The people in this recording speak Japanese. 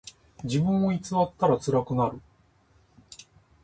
自分を偽ったらつらくなる。